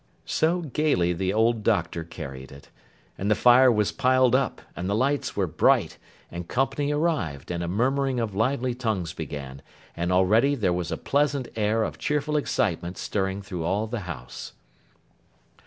So gaily the old Doctor carried it! And the fire was piled up, and the lights were bright, and company arrived, and a murmuring of lively tongues began, and already there was a pleasant air of cheerful excitement stirring through all the house.